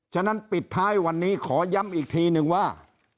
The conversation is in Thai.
ฉะนั้นปิดท้ายวันนี้ขอย้ำอีกทีนึงว่า